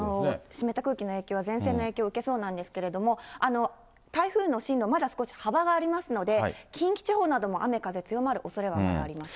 湿った空気の影響、前線の影響を受けそうなんですけれども、台風の進路、まだ少し幅がありますので、近畿地方なども雨風強まるおそれはまだあります。